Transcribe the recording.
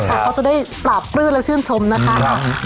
เขาจะได้ปราบปลื้มและชื่นชมนะคะ